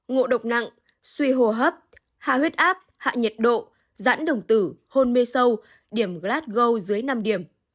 ngộ độc nặng suy hồ hấp hạ huyết áp hạ nhiệt độ rãn đồng tử hôn mê sâu điểm glas gold dưới năm điểm